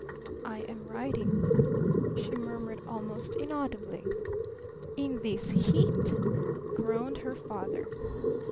"I am riding," she murmured almost inaudibly. "In this heat?" groaned her father.